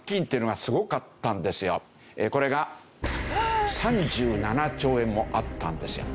これが３７兆円もあったんですよ。